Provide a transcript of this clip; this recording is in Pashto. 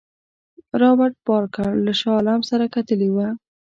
رابرټ بارکر له شاه عالم سره کتلي وه.